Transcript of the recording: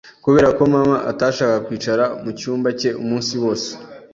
kubera ko mama atashakaga kwicara mucyumba cye umunsi wose